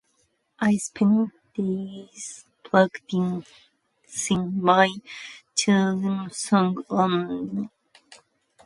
I spent days practicing my chosen song and rehearsing with the school band.